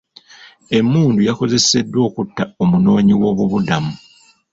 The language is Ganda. Emmundu yakozeseddwa okutta omunoonyiwoobubudamu.